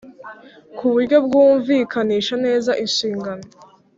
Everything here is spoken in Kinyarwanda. ku buryo bwumvikanisha neza inshingano,